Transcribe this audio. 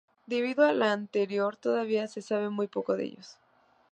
Debido a lo anterior, todavía se sabe muy poco de ellos.